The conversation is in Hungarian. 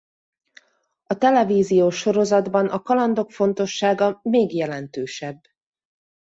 A televíziós sorozatban a kalandok fontossága még jelentősebb.